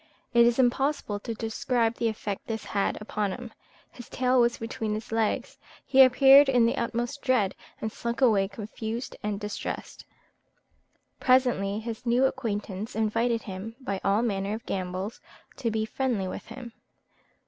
It is impossible to describe the effect this had upon him; his tail was between his legs, he appeared in the utmost dread, and slunk away confused and distressed: presently his new acquaintance invited him, by all manner of gambols, to be friendly with him.